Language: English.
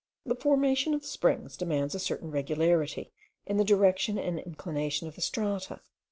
The formation of springs demands a certain regularity in the direction and inclination of the strata.